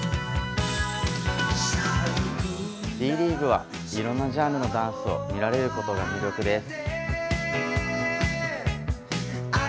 Ｄ．ＬＥＡＧＵＥはいろいろなジャンルのダンスを見られることが魅力です。